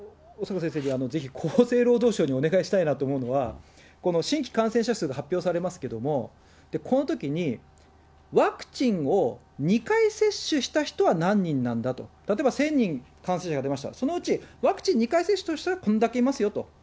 先生、ぜひ厚生労働省にお願いしたいなと思うのは、新規感染者数が発表されますけれども、このときに、ワクチンを２回接種した人は何人なんだと、例えば、１０００人感染者が出ました、そのうちワクチン２回接種した人はこんだけいますよと。